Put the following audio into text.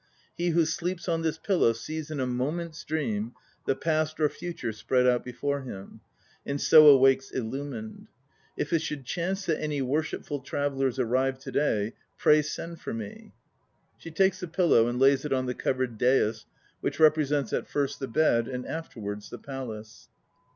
He who sleeps on this billow sees in a moment's dream the past or future spread out before him, and so awakes illu mined. If it should chance that any worshipful travellers arrive to day, pray send for me. (She takes the pillow and lays it on the covered "dais" which represents at first the bed and afterwards the palace.)